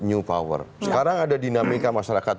new power sekarang ada dinamika masyarakat